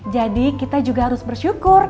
jadi kita juga harus bersyukur